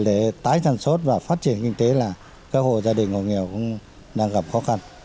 để tái sản xuất và phát triển kinh tế là các hộ gia đình hộ nghèo cũng đang gặp khó khăn